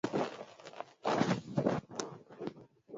uchambuzi wa mkataba ulikuwa muhimu sana